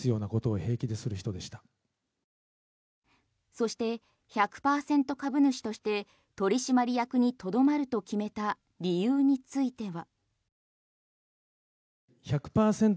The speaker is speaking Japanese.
そして１００％株主として取締役にとどまると決めた理由については。